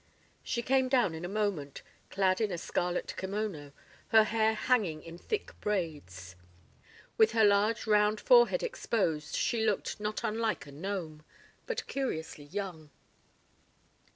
She came down in a moment, clad in a scarlet kimono, her hair hanging in thick braids. With her large round forehead exposed she looked not unlike a gnome, but curiously young.